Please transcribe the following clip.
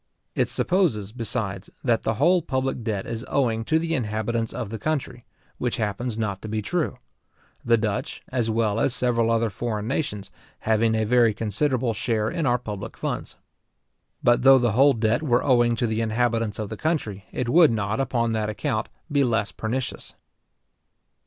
It supposes, besides, that the whole public debt is owing to the inhabitants of the country, which happens not to be true; the Dutch, as well as several other foreign nations, having a very considerable share in our public funds. But though the whole debt were owing to the inhabitants of the country, it would not, upon that account, be less pernicious.